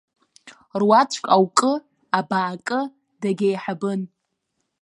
Руаӡәк аукы, абаакы, дагьеиҳабын.